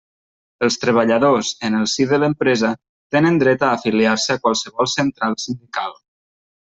Els treballadors, en el si de l'empresa, tenen dret a afiliar-se a qualsevol central sindical.